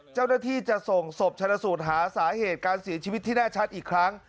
เจ้าหน้าที่จะส่งศพชนะสูตรหาสาเหตุการเสียชีวิตที่แน่ชัดอีกครั้ง